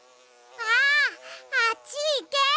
ああっちいけ！